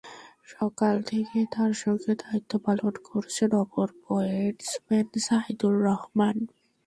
সকাল থেকে তাঁর সঙ্গে দায়িত্ব পালন করছেন অপর পয়েন্টসম্যান সাইদুর রহমান।